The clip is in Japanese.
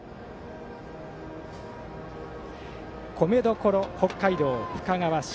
米どころ、北海道深川市。